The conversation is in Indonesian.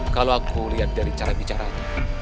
kalau aku lihat dari cara bicara itu